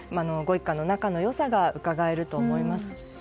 ご一家の仲の良さがうかがえると思います。